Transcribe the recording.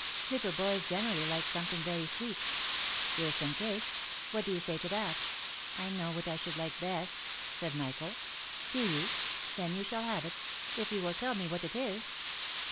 Little boys gene rally like something very sweet. Here is some cake, what do you say to that ?"I know what I should like best," said Michael. " Do you ?— then you shall have it, if you will tell me what it is."